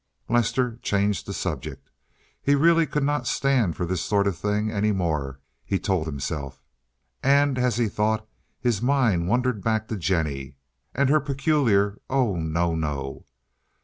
Lester changed the subject. He really could not stand for this sort of thing any more, he told himself. And as he thought his mind wandered back to Jennie and her peculiar "Oh no, no!"